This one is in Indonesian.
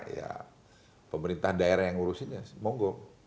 ya pemerintah daerah yang ngurusin ya monggo